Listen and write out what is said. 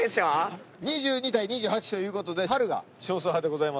２２対２８ということで春が少数派でございます。